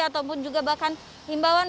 ataupun juga bahkan himbawan